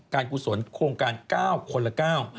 โครงการ๙คนละ๙